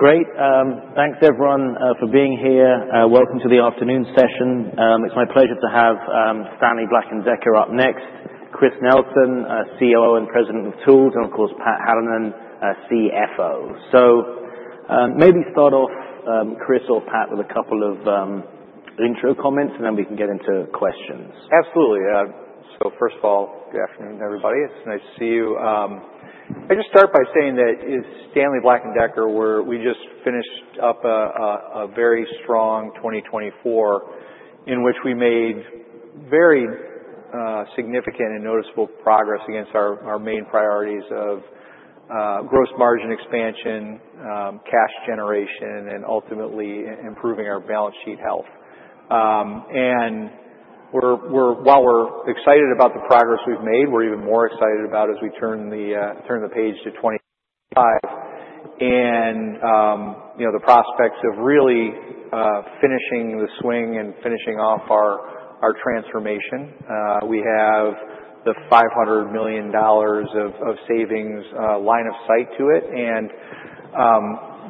Great. Thanks, everyone, for being here. Welcome to the afternoon session. It's my pleasure to have Stanley Black & Decker up next, Chris Nelson, COO and President of Tools, and of course, Pat Hallinan, CFO. So maybe start off, Chris or Pat, with a couple of intro comments, and then we can get into questions. Absolutely. So first of all, good afternoon, everybody. It's nice to see you. I just start by saying that Stanley Black & Decker, we just finished up a very strong 2024 in which we made very significant and noticeable progress against our main priorities of gross margin expansion, cash generation, and ultimately improving our balance sheet health. And while we're excited about the progress we've made, we're even more excited about as we turn the page to 2025 and the prospects of really finishing the swing and finishing off our transformation. We have the $500 million of savings line of sight to it. And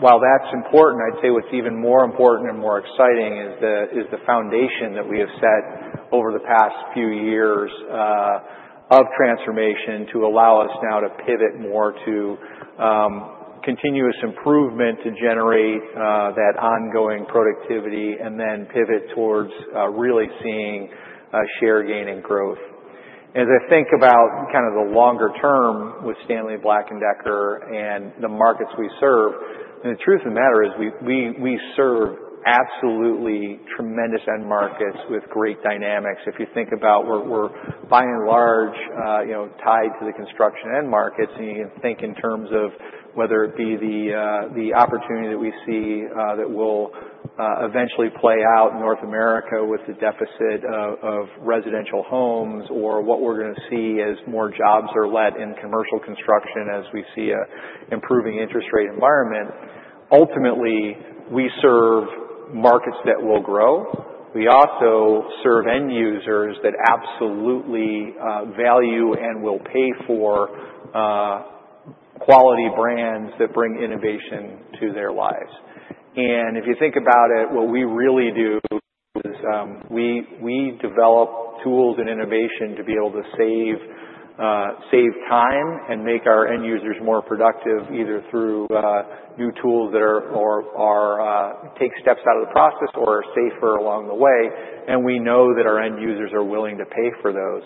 while that's important, I'd say what's even more important and more exciting is the foundation that we have set over the past few years of transformation to allow us now to pivot more to continuous improvement to generate that ongoing productivity and then pivot towards really seeing share gain and growth. As I think about kind of the longer term with Stanley Black & Decker and the markets we serve, the truth of the matter is we serve absolutely tremendous end markets with great dynamics. If you think about where we're by and large tied to the construction end markets, and you can think in terms of whether it be the opportunity that we see that will eventually play out in North America with the deficit of residential homes or what we're going to see as more jobs are let in commercial construction as we see an improving interest rate environment, ultimately we serve markets that will grow. We also serve end users that absolutely value and will pay for quality brands that bring innovation to their lives, and if you think about it, what we really do is we develop tools and innovation to be able to save time and make our end users more productive either through new tools that take steps out of the process or are safer along the way. We know that our end users are willing to pay for those.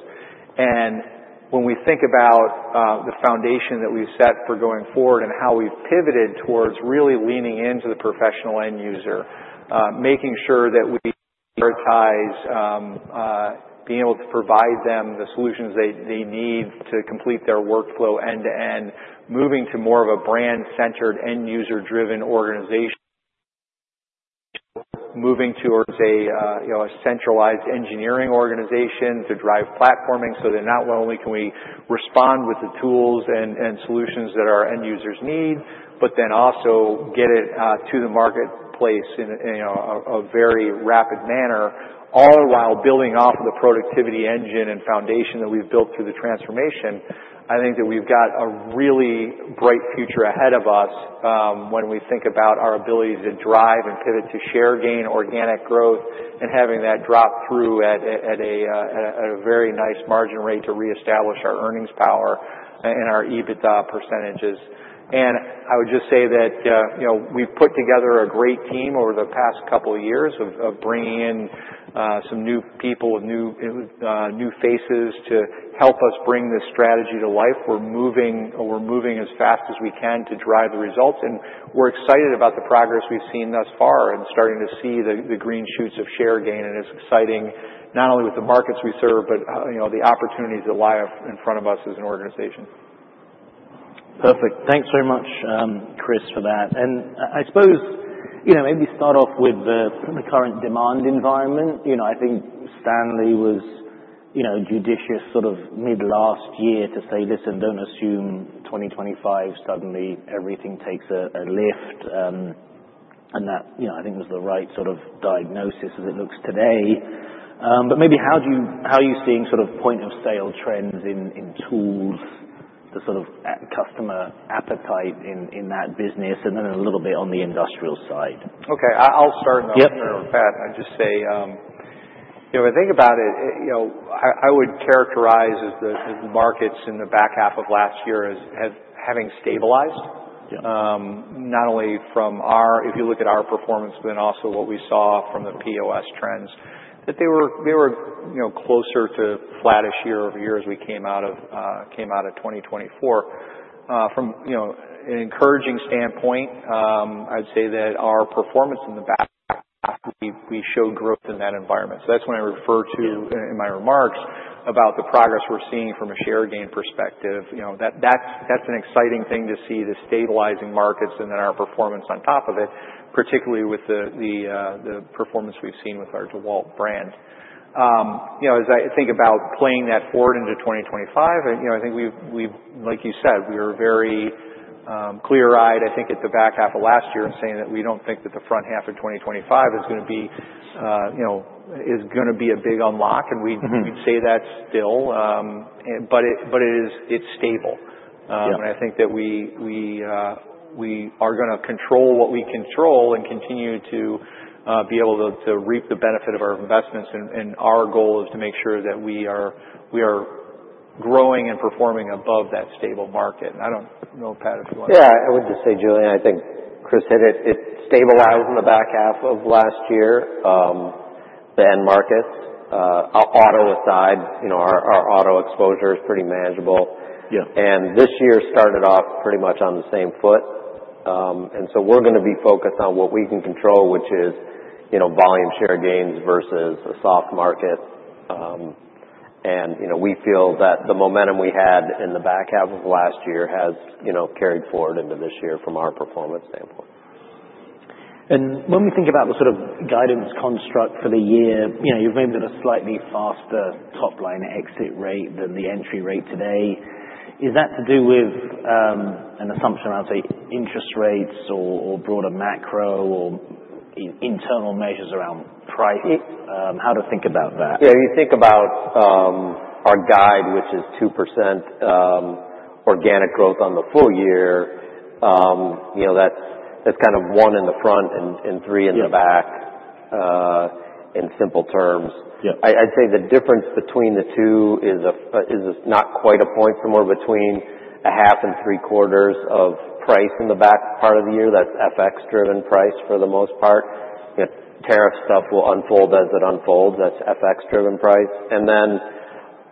When we think about the foundation that we've set for going forward and how we've pivoted towards really leaning into the professional end user, making sure that we prioritize being able to provide them the solutions they need to complete their workflow end to end, moving to more of a brand-centered, end user-driven organization, moving towards a centralized engineering organization to drive platforming so they're not only can we respond with the tools and solutions that our end users need, but then also get it to the marketplace in a very rapid manner, all while building off of the productivity engine and foundation that we've built through the transformation. I think that we've got a really bright future ahead of us when we think about our ability to drive and pivot to share gain, organic growth, and having that drop through at a very nice margin rate to reestablish our earnings power and our EBITDA percentages. And I would just say that we've put together a great team over the past couple of years of bringing in some new people, new faces to help us bring this strategy to life. We're moving as fast as we can to drive the results. And we're excited about the progress we've seen thus far and starting to see the green shoots of share gain. And it's exciting not only with the markets we serve, but the opportunities that lie in front of us as an organization. Perfect. Thanks very much, Chris, for that. And I suppose maybe start off with the current demand environment. I think Stanley was judicious sort of mid-last year to say, "Listen, don't assume 2025 suddenly everything takes a lift." And that, I think, was the right sort of diagnosis as it looks today. But maybe how are you seeing sort of point of sale trends in tools, the sort of customer appetite in that business, and then a little bit on the industrial side? Okay. I'll start, though, Pat, and just say, if I think about it, I would characterize the markets in the back half of last year as having stabilized, not only from our, if you look at our performance, but then also what we saw from the POS trends, that they were closer to flattish year over year as we came out of 2024. From an encouraging standpoint, I'd say that our performance in the back half, we showed growth in that environment, so that's what I refer to in my remarks about the progress we're seeing from a share gain perspective. That's an exciting thing to see, the stabilizing markets and then our performance on top of it, particularly with the performance we've seen with our DeWalt brand. As I think about playing that forward into 2025, I think, like you said, we are very clear-eyed, I think, at the back half of last year in saying that we don't think that the front half of 2025 is going to be a big unlock. And we'd say that still, but it's stable. And I think that we are going to control what we control and continue to be able to reap the benefit of our investments. And our goal is to make sure that we are growing and performing above that stable market. I don't know, Pat, if you want to. Yeah. I would just say, Julian, I think Chris said it stabilized in the back half of last year, the end markets. Auto aside, our auto exposure is pretty manageable. And this year started off pretty much on the same foot. And so we're going to be focused on what we can control, which is volume share gains versus a soft market. And we feel that the momentum we had in the back half of last year has carried forward into this year from our performance standpoint. And when we think about the sort of guidance construct for the year, you've maybe got a slightly faster top-line exit rate than the entry rate today. Is that to do with an assumption around, say, interest rates or broader macro or internal measures around price? How to think about that? Yeah. If you think about our guide, which is 2% organic growth on the full year, that's kind of one in the front and three in the back in simple terms. I'd say the difference between the two is not quite a point, somewhere between a half and three quarters of price in the back part of the year. That's FX-driven price for the most part. Tariff stuff will unfold as it unfolds. That's FX-driven price. And then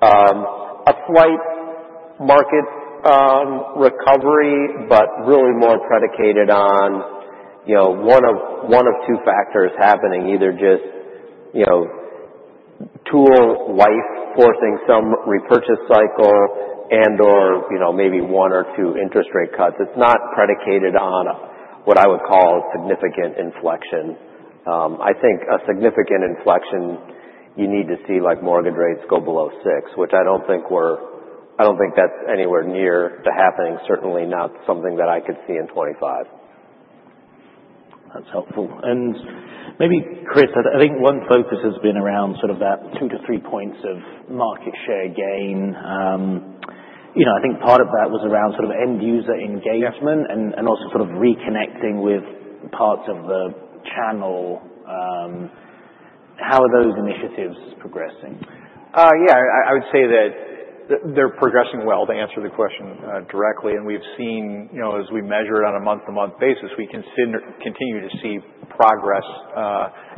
a slight market recovery, but really more predicated on one of two factors happening, either just tool life forcing some repurchase cycle and/or maybe one or two interest rate cuts. It's not predicated on what I would call a significant inflection. I think a significant inflection. You need to see mortgage rates go below six, which I don't think that's anywhere near to happening, certainly not something that I could see in 2025. That's helpful. And maybe, Chris, I think one focus has been around sort of that two to three points of market share gain. I think part of that was around sort of end user engagement and also sort of reconnecting with parts of the channel. How are those initiatives progressing? Yeah. I would say that they're progressing well to answer the question directly. And we've seen, as we measure it on a month-to-month basis, we continue to see progress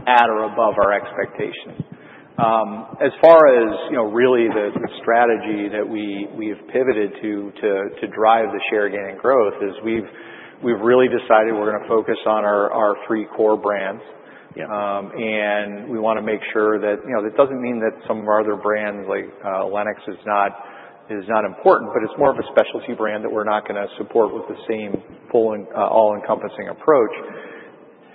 at or above our expectation. As far as really the strategy that we've pivoted to drive the share gain and growth, we've really decided we're going to focus on our three core brands. And we want to make sure that it doesn't mean that some of our other brands like Lenox is not important, but it's more of a specialty brand that we're not going to support with the same all-encompassing approach.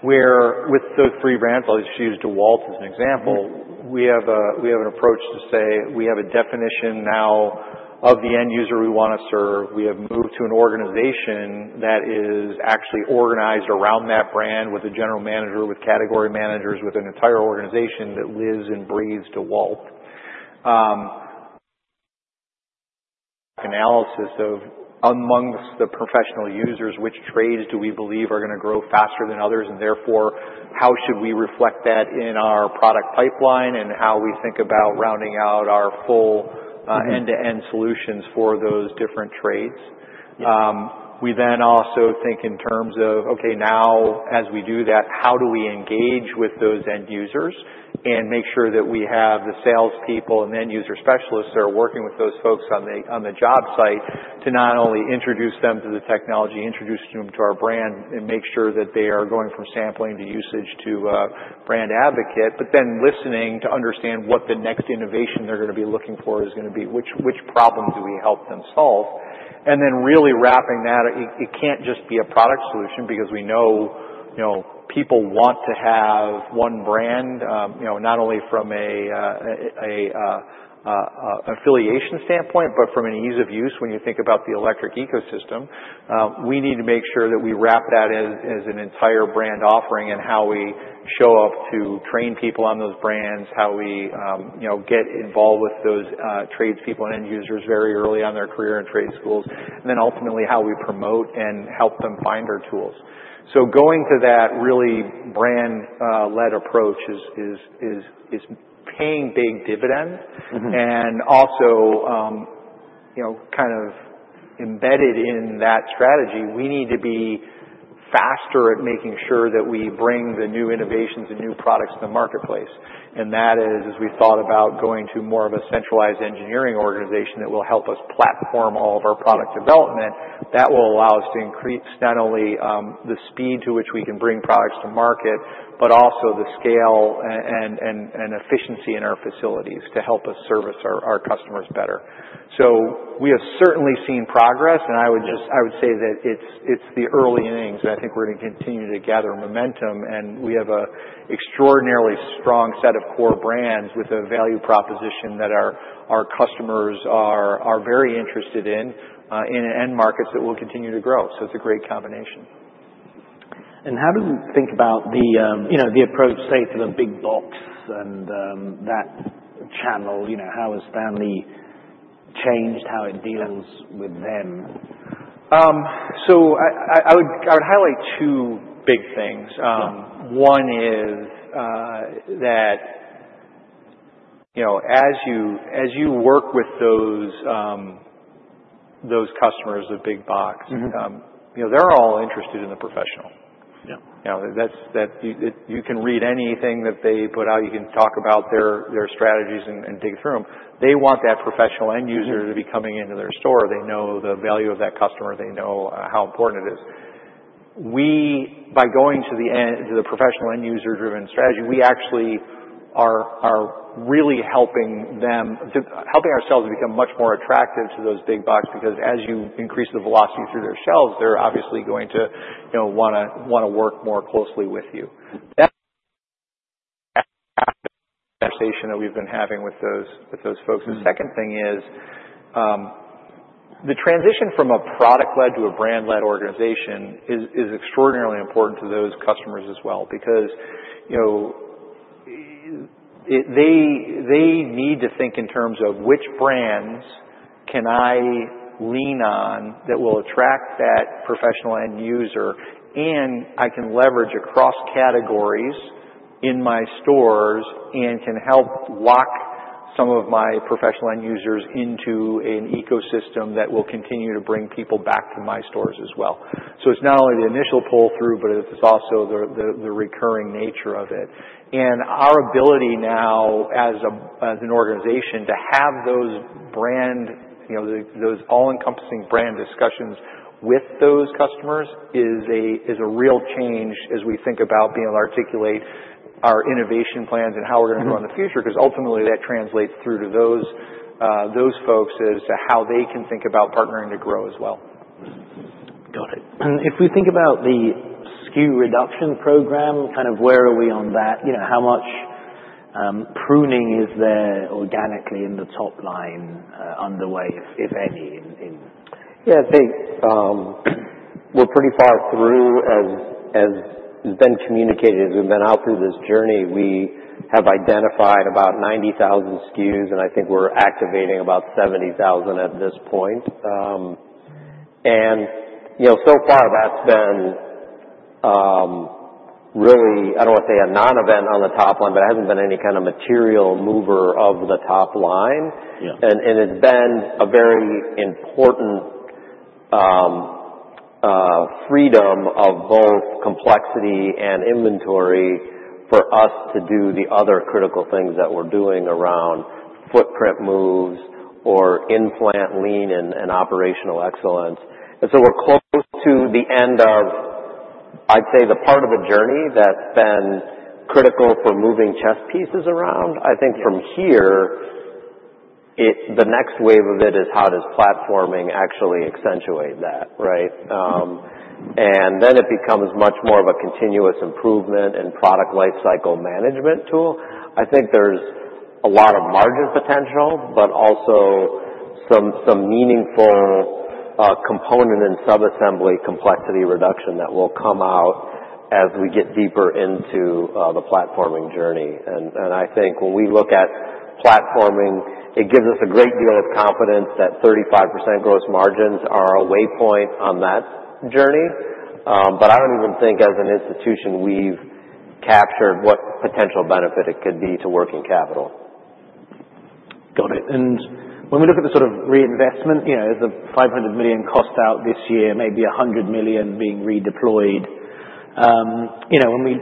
With those three core brands, I'll just use DeWalt as an example. We have an approach to say we have a definition now of the end user we want to serve. We have moved to an organization that is actually organized around that brand with a general manager, with category managers, with an entire organization that lives and breathes DeWalt. Analysis of, among the professional users, which trades do we believe are going to grow faster than others, and therefore, how should we reflect that in our product pipeline and how we think about rounding out our full end-to-end solutions for those different trades? We then also think in terms of, okay, now as we do that, how do we engage with those end users and make sure that we have the salespeople and the end user specialists that are working with those folks on the job site to not only introduce them to the technology, introduce them to our brand, and make sure that they are going from sampling to usage to brand advocate, but then listening to understand what the next innovation they're going to be looking for is going to be, which problem do we help them solve? And then really wrapping that, it can't just be a product solution because we know people want to have one brand, not only from an affiliation standpoint, but from an ease of use when you think about the electric ecosystem. We need to make sure that we wrap that as an entire brand offering and how we show up to train people on those brands, how we get involved with those tradespeople and end users very early on their career in trade schools, and then ultimately how we promote and help them find our tools, so going to that really brand-led approach is paying big dividends, and also kind of embedded in that strategy, we need to be faster at making sure that we bring the new innovations and new products to the marketplace. And that is, as we thought about going to more of a centralized engineering organization that will help us platform all of our product development, that will allow us to increase not only the speed to which we can bring products to market, but also the scale and efficiency in our facilities to help us service our customers better. So we have certainly seen progress. And I would say that it's the early innings. And I think we're going to continue to gather momentum. And we have an extraordinarily strong set of core brands with a value proposition that our customers are very interested in and markets that will continue to grow. So it's a great combination. How do you think about the approach, say, to the big box and that channel? How has Stanley changed how it deals with them? So I would highlight two big things. One is that as you work with those customers of big box, they're all interested in the professional. You can read anything that they put out. You can talk about their strategies and dig through them. They want that professional end user to be coming into their store. They know the value of that customer. They know how important it is. By going to the professional end user-driven strategy, we actually are really helping ourselves become much more attractive to those big box because as you increase the velocity through their shelves, they're obviously going to want to work more closely with you. That's the conversation that we've been having with those folks. The second thing is the transition from a product-led to a brand-led organization is extraordinarily important to those customers as well because they need to think in terms of which brands can I lean on that will attract that professional end user, and I can leverage across categories in my stores and can help lock some of my professional end users into an ecosystem that will continue to bring people back to my stores as well. So it's not only the initial pull-through, but it's also the recurring nature of it. Our ability now as an organization to have those all-encompassing brand discussions with those customers is a real change as we think about being able to articulate our innovation plans and how we're going to grow in the future because ultimately that translates through to those folks as to how they can think about partnering to grow as well. Got it. And if we think about the SKU reduction program, kind of where are we on that? How much pruning is there organically in the top line underway, if any? Yeah. I think we're pretty far through as it's been communicated as we've been out through this journey. We have identified about 90,000 SKUs, and I think we're activating about 70,000 at this point. And so far, that's been really, I don't want to say a non-event on the top line, but it hasn't been any kind of material mover of the top line. And it's been a very important freedom of both complexity and inventory for us to do the other critical things that we're doing around footprint moves or in-plant lean and operational excellence. And so we're close to the end of, I'd say, the part of the journey that's been critical for moving chess pieces around. I think from here, the next wave of it is how does platforming actually accentuate that, right? And then it becomes much more of a continuous improvement and product lifecycle management tool. I think there's a lot of margin potential, but also some meaningful component and subassembly complexity reduction that will come out as we get deeper into the platforming journey. And I think when we look at platforming, it gives us a great deal of confidence that 35% gross margins are a waypoint on that journey. But I don't even think as an institution we've captured what potential benefit it could be to working capital. Got it. And when we look at the sort of reinvestment, there's a $500 million cost out this year, maybe $100 million being redeployed. When we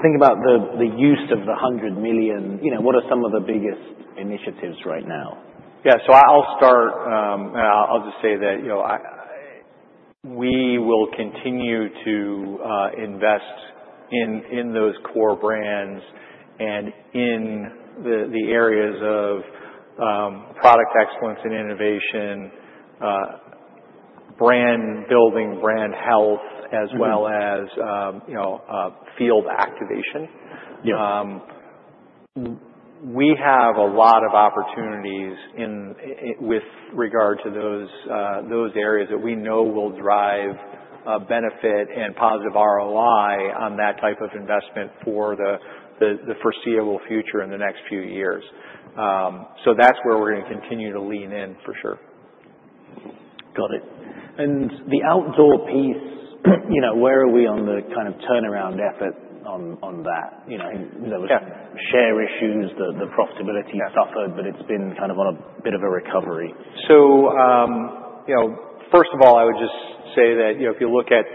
think about the use of the $100 million, what are some of the biggest initiatives right now? Yeah. So I'll start. I'll just say that we will continue to invest in those core brands and in the areas of product excellence and innovation, brand building, brand health, as well as field activation. We have a lot of opportunities with regard to those areas that we know will drive benefit and positive ROI on that type of investment for the foreseeable future in the next few years. So that's where we're going to continue to lean in for sure. Got it. And the outdoor piece, where are we on the kind of turnaround effort on that? There were share issues, the profitability suffered, but it's been kind of on a bit of a recovery. So first of all, I would just say that if you look at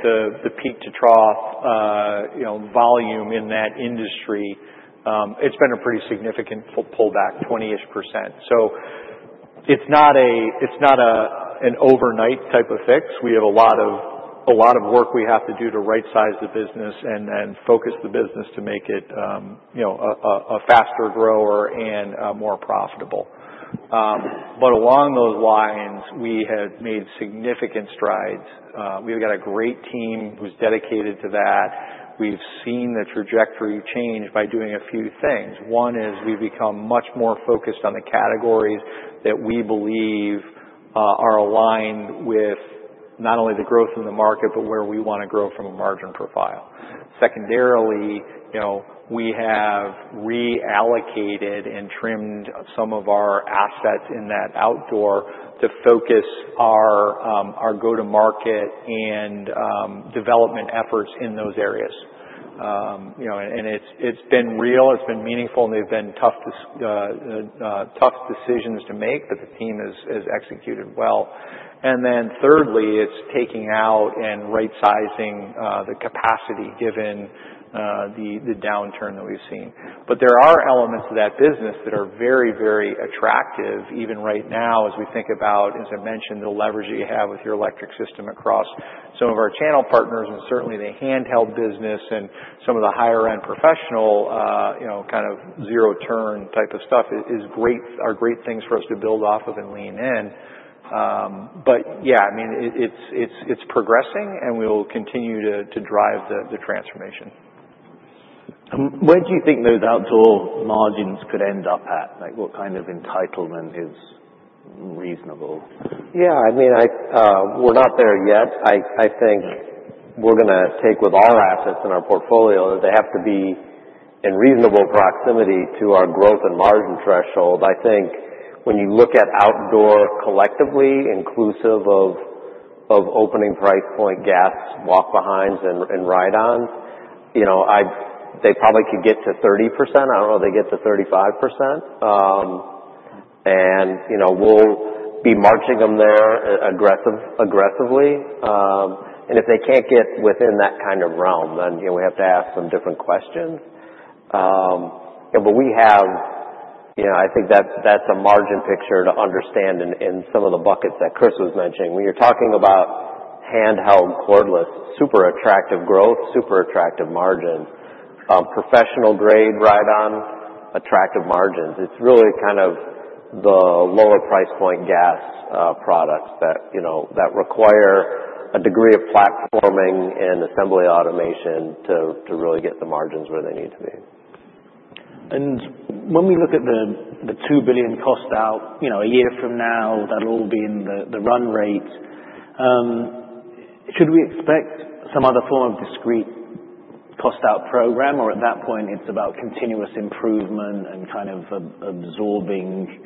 the peak to trough volume in that industry, it's been a pretty significant pullback, 20-ish%. So it's not an overnight type of fix. We have a lot of work we have to do to right-size the business and focus the business to make it a faster grower and more profitable. But along those lines, we have made significant strides. We've got a great team who's dedicated to that. We've seen the trajectory change by doing a few things. One is we've become much more focused on the categories that we believe are aligned with not only the growth in the market, but where we want to grow from a margin profile. Secondarily, we have reallocated and trimmed some of our assets in that outdoor to focus our go-to-market and development efforts in those areas. And it's been real. It's been meaningful. And they've been tough decisions to make, but the team has executed well. And then thirdly, it's taking out and right-sizing the capacity given the downturn that we've seen. But there are elements of that business that are very, very attractive even right now as we think about, as I mentioned, the leverage that you have with your electric system across some of our channel partners and certainly the handheld business and some of the higher-end professional kind of zero-turn type of stuff are great things for us to build off of and lean in. But yeah, I mean, it's progressing, and we will continue to drive the transformation. Where do you think those outdoor margins could end up at? What kind of entitlement is reasonable? Yeah. I mean, we're not there yet. I think we're going to take with all assets in our portfolio that they have to be in reasonable proximity to our growth and margin threshold. I think when you look at outdoor collectively inclusive of opening price point, gas, walk-behinds, and ride-ons, they probably could get to 30%. I don't know if they get to 35%. And we'll be marching them there aggressively. And if they can't get within that kind of realm, then we have to ask them different questions. But we have, I think, that's a margin picture to understand in some of the buckets that Chris was mentioning. When you're talking about handheld, cordless, super attractive growth, super attractive margins, professional-grade ride-ons, attractive margins, it's really kind of the lower price point gas products that require a degree of platforming and assembly automation to really get the margins where they need to be. And when we look at the $2 billion cost out a year from now, that'll all be in the run rate. Should we expect some other form of discrete cost out program? Or at that point, it's about continuous improvement and kind of absorbing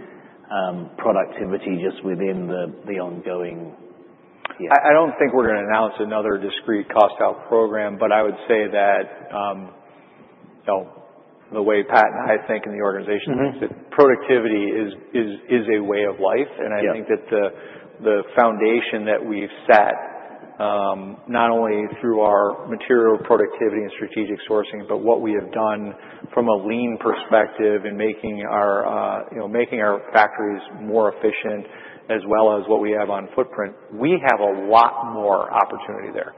productivity just within the ongoing? I don't think we're going to announce another discrete cost out program, but I would say that the way Pat and I think in the organization is that productivity is a way of life. And I think that the foundation that we've set, not only through our material productivity and strategic sourcing, but what we have done from a lean perspective in making our factories more efficient as well as what we have on footprint, we have a lot more opportunity there.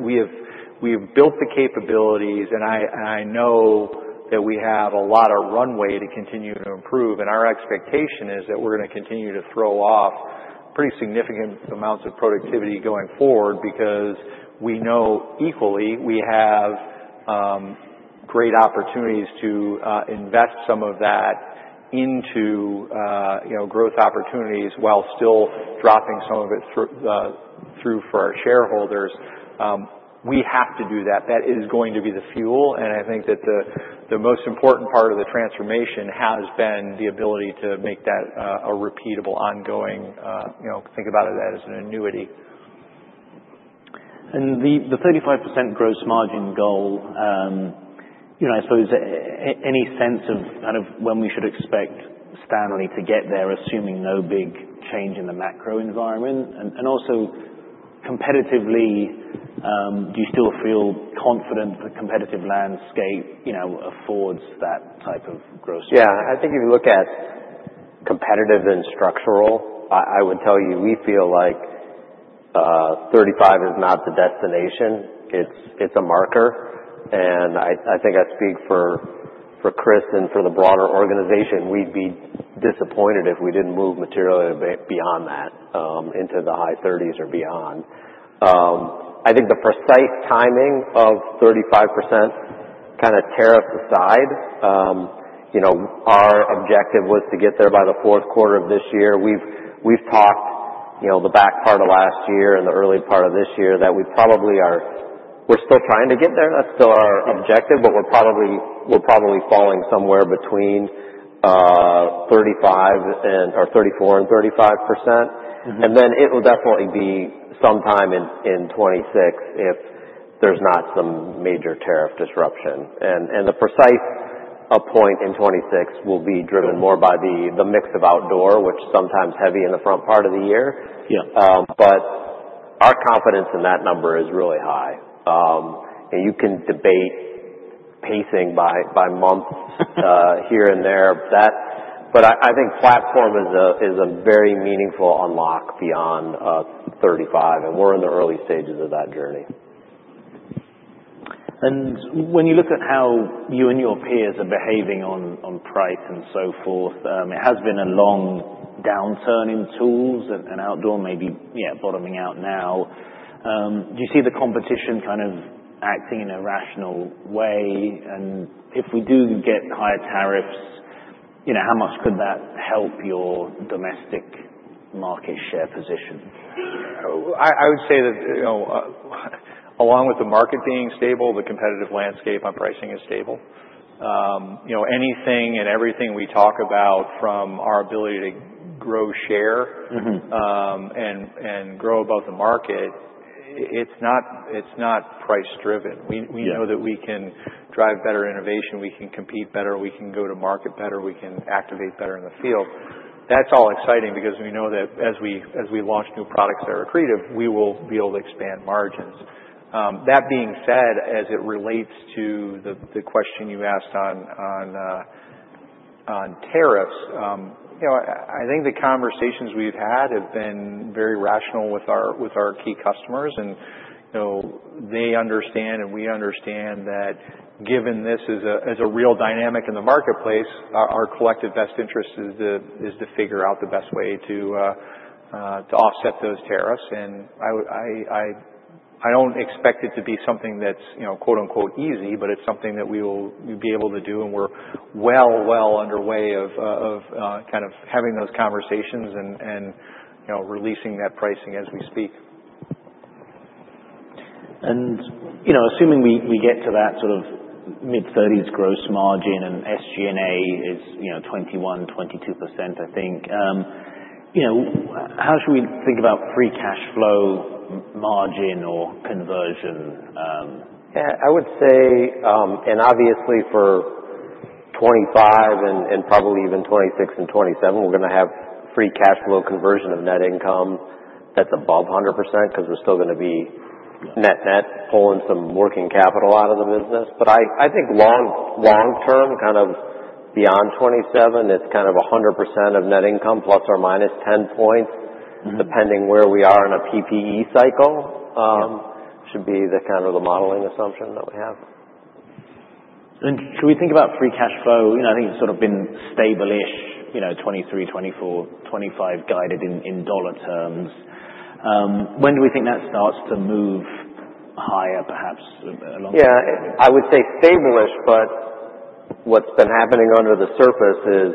We have built the capabilities, and I know that we have a lot of runway to continue to improve. And our expectation is that we're going to continue to throw off pretty significant amounts of productivity going forward because we know equally we have great opportunities to invest some of that into growth opportunities while still dropping some of it through for our shareholders. We have to do that. That is going to be the fuel. And I think that the most important part of the transformation has been the ability to make that a repeatable ongoing thing. Think about it as an annuity. And the 35% gross margin goal, I suppose any sense of kind of when we should expect Stanley to get there, assuming no big change in the macro environment? And also competitively, do you still feel confident the competitive landscape affords that type of growth? Yeah. I think if you look at competitive and structural, I would tell you we feel like 35 is not the destination. It's a marker. And I think I speak for Chris and for the broader organization. We'd be disappointed if we didn't move materially beyond that into the high 30s or beyond. I think the precise timing of 35%, kind of tariffs aside, our objective was to get there by the fourth quarter of this year. We've talked the back part of last year and the early part of this year that we're still trying to get there. That's still our objective, but we're probably falling somewhere between 34%-35%. And then it will definitely be sometime in 2026 if there's not some major tariff disruption. And the precise point in 2026 will be driven more by the mix of outdoor, which sometimes heavy in the front part of the year. But our confidence in that number is really high. And you can debate pacing by months here and there. But I think platform is a very meaningful unlock beyond 35, and we're in the early stages of that journey. When you look at how you and your peers are behaving on price and so forth, it has been a long downturn in tools and outdoor maybe bottoming out now. Do you see the competition kind of acting in a rational way? If we do get higher tariffs, how much could that help your domestic market share position? I would say that along with the market being stable, the competitive landscape on pricing is stable. Anything and everything we talk about from our ability to grow share and grow above the market, it's not price-driven. We know that we can drive better innovation. We can compete better. We can go to market better. We can activate better in the field. That's all exciting because we know that as we launch new products that are creative, we will be able to expand margins. That being said, as it relates to the question you asked on tariffs, I think the conversations we've had have been very rational with our key customers, and they understand and we understand that given this as a real dynamic in the marketplace, our collective best interest is to figure out the best way to offset those tariffs. And I don't expect it to be something that's "easy," but it's something that we will be able to do. And we're well, well underway of kind of having those conversations and releasing that pricing as we speak. Assuming we get to that sort of mid-30s gross margin and SG&A is 21%-22%, I think, how should we think about free cash flow margin or conversion? Yeah. I would say, and obviously for 2025 and probably even 2026 and 2027, we're going to have free cash flow conversion of net income that's above 100% because we're still going to be net-net pulling some working capital out of the business. But I think long-term, kind of beyond 2027, it's kind of 100% of net income plus or minus 10 points, depending where we are in a PPE cycle should be the kind of the modeling assumption that we have. Should we think about free cash flow? I think it's sort of been established 2023, 2024, 2025 guided in dollar terms. When do we think that starts to move higher, perhaps along? Yeah. I would say stable-ish, but what's been happening under the surface is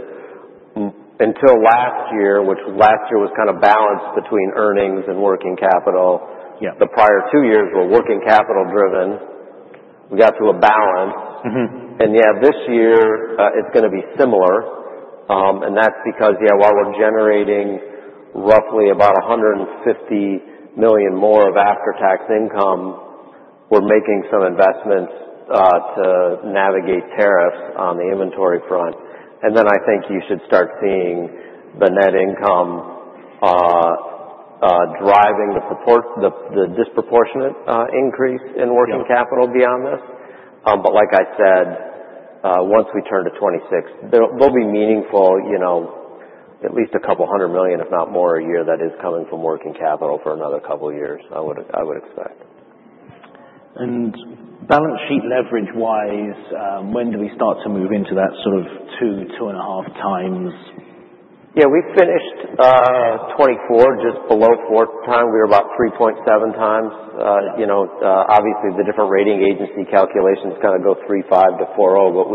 until last year, which last year was kind of balanced between earnings and working capital. The prior two years were working capital-driven. We got to a balance. Yeah, this year it's going to be similar. That's because, yeah, while we're generating roughly about $150 million more of after-tax income, we're making some investments to navigate tariffs on the inventory front. Then I think you should start seeing the net income driving the disproportionate increase in working capital beyond this. Like I said, once we turn to 2026, there'll be meaningful, at least a couple hundred million, if not more a year that is coming from working capital for another couple of years, I would expect. Balance sheet leverage-wise, when do we start to move into that sort of two, two and a half times? Yeah. We finished 2024 just below four times. We were about 3.7 times. Obviously, the different rating agency calculations kind of go 3.5 to 4.0, but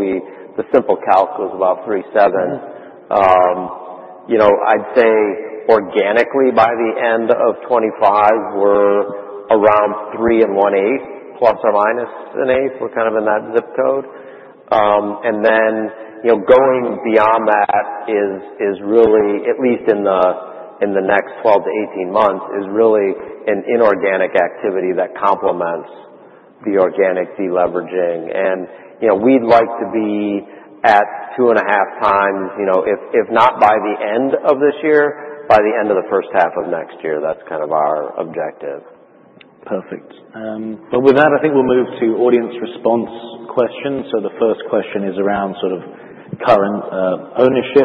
the simple calc was about 3.7. I'd say organically by the end of 2025, we're around 3.125+- 0.125. We're kind of in that zip code. And then going beyond that is really, at least in the next 12 to 18 months, is really an inorganic activity that complements the organic deleveraging. And we'd like to be at 2.5 times, if not by the end of this year, by the end of the first half of next year. That's kind of our objective. Perfect. But with that, I think we'll move to audience response questions. So the first question is around sort of current ownership.